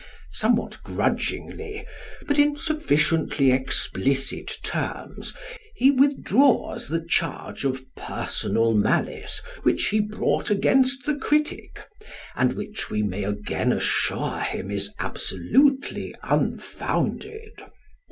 Somewhat grudgingly, but in sufficiently explicit terms, he withdraws the charge of "personal malice" which he brought against the critic, and which, we may again assure him, is absolutely unfounded.